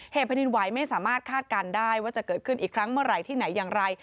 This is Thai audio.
แผ่นดินไหวไม่สามารถคาดการณ์ได้ว่าจะเกิดขึ้นอีกครั้งเมื่อไหร่ที่ไหนอย่างไร